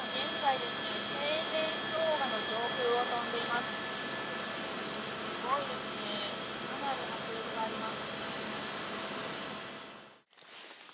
すごいですねかなり迫力があります。